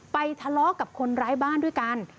ทะเลาะกับคนร้ายบ้านด้วยกัน